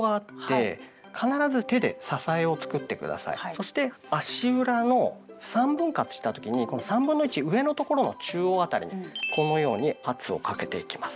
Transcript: そして足裏の３分割した時にこの３分の１上のところの中央辺りにこのように圧をかけていきます。